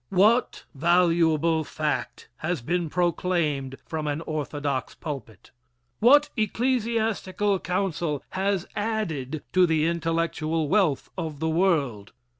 What valuable fact has been proclaimed from an orthodox pulpit? What ecclesiastical council has added to the intellectual wealth of the world?